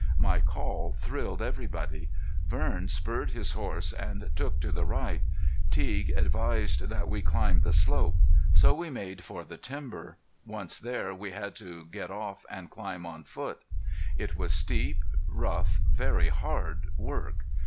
My call thrilled everybody. Vern spurred his horse and took to the right. Teague advised that we climb the slope. So we made for the timber. Once there we had to get off and climb on foot. It was steep, rough, very hard work.